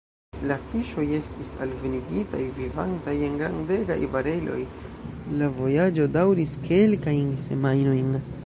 La fiŝoj estis alvenigitaj vivantaj, en grandegaj bareloj, la vojaĝo daŭris kelkajn semajnojn.